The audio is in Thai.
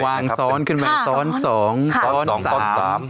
วางซ้อนขึ้นไปซ้อน๒ซ้อน๓